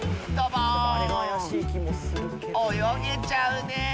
およげちゃうね！